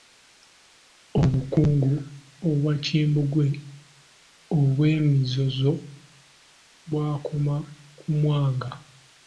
Obukungu Obwakimbugwe obw'emizizo bwakoma ku Mwanga.